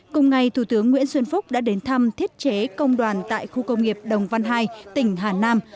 cùng ngày thủ tướng nguyễn xuân phúc đã đến thăm thiết chế công đoàn tại khu công nghiệp đồng văn hai tỉnh hà nam